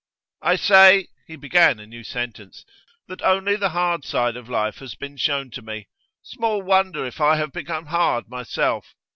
I say,' he began a new sentence, 'that only the hard side of life has been shown to me; small wonder if I have become hard myself.